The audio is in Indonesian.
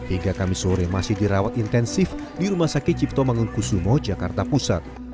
hingga kamis sore masih dirawat intensif di rumah sakit cipto mangunkusumo jakarta pusat